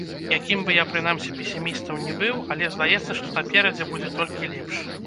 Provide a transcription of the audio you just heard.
Якім бы я, прынамсі, песімістам ні быў, але здаецца, што наперадзе будзе толькі лепш.